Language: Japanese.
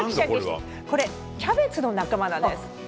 キャベツの仲間なんです。